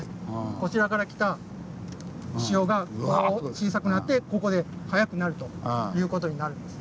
こちらから来た潮がこう小さくなってここで速くなるという事になるんですね。